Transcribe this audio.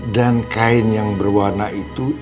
dan kain yang berwarna itu